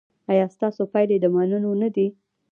ایا ستاسو پایلې د منلو نه دي؟